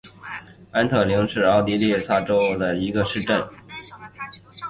安特灵是奥地利萨尔茨堡州萨尔茨堡城郊县的一个市镇。